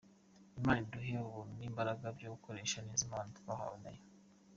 Imana iduhe ubuntu n’imbaraga byo gukoresha neza impano twahawe na yo.